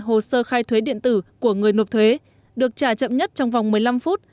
hồ sơ khai thuế điện tử của người nộp thuế được trả chậm nhất trong vòng một mươi năm phút